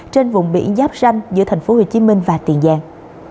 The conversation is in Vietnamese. trên vùng biển giáp ranh giữa thành phố hồ chí minh và tiền giang